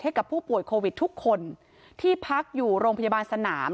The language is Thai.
ให้กับผู้ป่วยโควิดทุกคนที่พักอยู่โรงพยาบาลสนาม